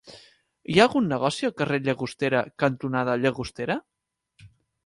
Hi ha algun negoci al carrer Llagostera cantonada Llagostera?